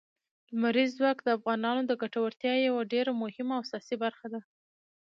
لمریز ځواک د افغانانو د ګټورتیا یوه ډېره مهمه او اساسي برخه ده.